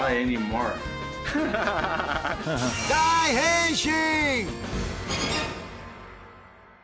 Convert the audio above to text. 大変身！